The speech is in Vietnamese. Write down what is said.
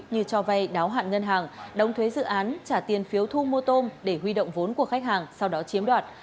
như cho vay đáo hạn ngân hàng đóng thuế dự án trả tiền phiếu thu mua tôm để huy động vốn của khách hàng sau đó chiếm đoạt